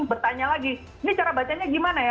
bertanya lagi ini cara bacanya gimana ya